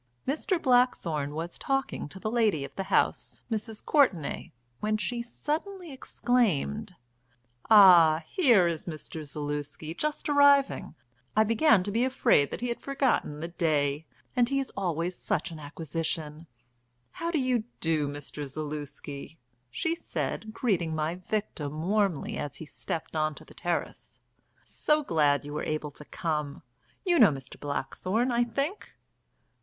Mr. Blackthorne was talking to the lady of the house, Mrs. Courtenay, when she suddenly exclaimed: "Ah, here is Mr. Zaluski just arriving. I began to be afraid that he had forgotten the day, and he is always such an acquisition. How do you do, Mr. Zaluski?" she said, greeting my victim warmly as he stepped on to the terrace. "So glad you were able to come. You know Mr. Blackthorne, I think."